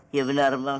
iya benar bang